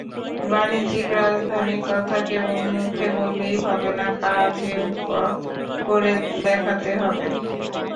বাণিজ্যিক রাজধানীর কথা কেবল মুখে বললেই হবে না, কাজেও করে দেখাতে হবে।